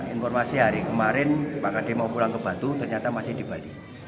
informasi hari kemarin pak kadi mau pulang ke batu ternyata masih di bali